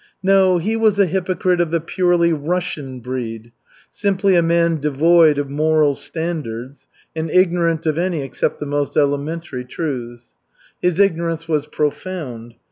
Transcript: No, he was a hypocrite of the purely Russian breed, simply a man devoid of moral standards and ignorant of any except the most elementary truths. His ignorance was profound.